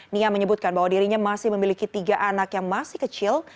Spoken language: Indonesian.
nia menyebutkan bahwa dirinya masih memiliki tiga anak yang masih kecil